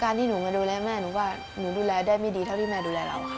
ที่หนูมาดูแลแม่หนูว่าหนูดูแลได้ไม่ดีเท่าที่แม่ดูแลเราค่ะ